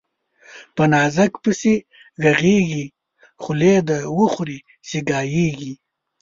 په نازک پسي ږغېږي، خولې ده وخوري سي ګايږي